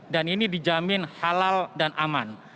dan ini dijamin halal dan aman